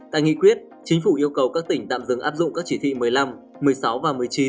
tại nghị quyết chính phủ yêu cầu các tỉnh tạm dừng áp dụng các chỉ thị một mươi năm một mươi sáu và một mươi chín